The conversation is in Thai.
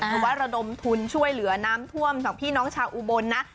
ถือว่าระดมทุนช่วยเหลือน้ำท่วมจากพี่น้องชาวอุบลนะ